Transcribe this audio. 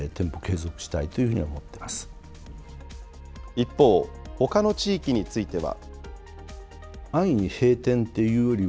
一方、ほかの地域については。